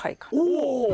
お。